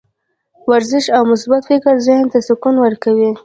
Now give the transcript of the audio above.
ورزش او مثبت فکر ذهن ته سکون ورکوي.